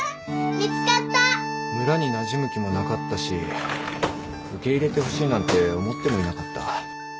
見つかった村になじむ気もなかったし受け入れてほしいなんて思ってもいなかった。